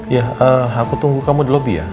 ya aku tunggu kamu di lobby ya